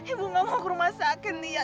ibu gak mau ke rumah sakit